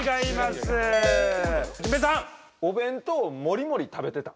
お弁当をもりもり食べてた。